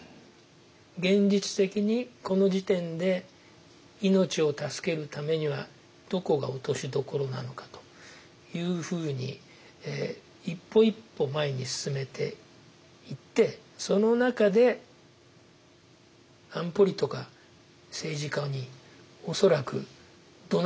現実的にこの時点で命を助けるためにはどこが落としどころなのかというふうに一歩一歩前に進めていってその中でときにはＮＯも言いながら。